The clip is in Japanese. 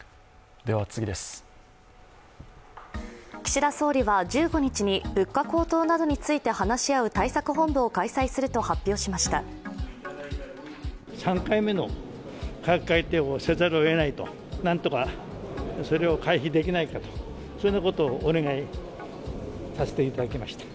岸田総理は、１５日に物価高騰などについて話し合う対策本部を開催する考えを明らかにしました。